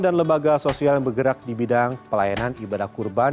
dan lembaga sosial yang bergerak di bidang pelayanan ibadah kurban